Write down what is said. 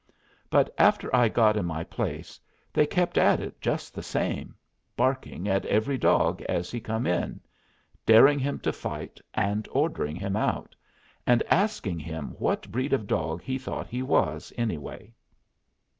But after I got in my place they kept at it just the same, barking at every dog as he come in: daring him to fight, and ordering him out, and asking him what breed of dog he thought he was, anyway.